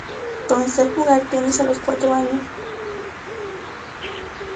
Comenzó a jugar tenis a los cuatro años.